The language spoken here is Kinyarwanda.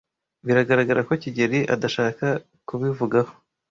Biragaragara ko kigeli adashaka kubivugaho.